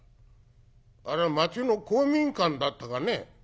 あれは町の公民館だったかね」。